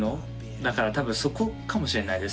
だから多分そこかもしれないです。